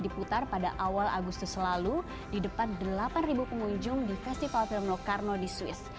pengunjung di festival film locarno di swiss